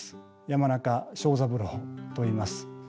山中章三郎といいます。